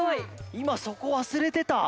いまそこわすれてた。